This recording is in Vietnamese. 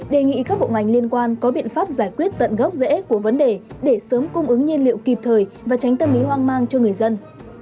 đề nghị các bộ ngành liên quan có biện pháp giải quyết tận gốc rễ của vấn đề để sớm cung ứng nhiên liệu kịp thời và tránh tâm lý hoang mang cho người dân